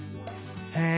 へえ。